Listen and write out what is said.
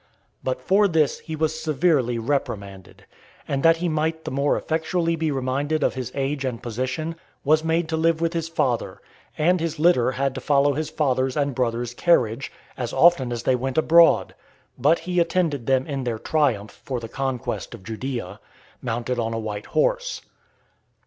But for this he was severely reprimanded, and that he might the more effectually be reminded of his age and position, was made to live with his father, and his litter had to follow his father's and brother's carriage, as often as they went abroad; but he attended them in their triumph for the conquest of Judaea , mounted on a white horse.